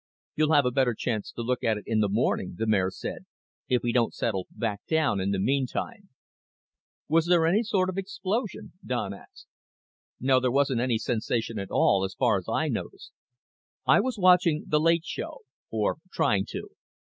"You'll have a better chance to look at it in the morning," the mayor said, "if we don't settle back in the meantime." "Was there any sort of explosion?" Don asked. "No. There wasn't any sensation at all, as far as I noticed. I was watching the late show or trying to.